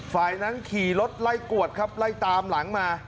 ฝ่ายนั้นขี่รถไล่กวดครับไล่ตามหลังมา